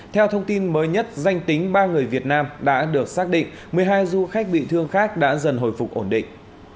theo thông tin mới nhất danh tính ba người việt nam đã được xác định một mươi hai du khách bị thương khác đã dần hồi phục ổn định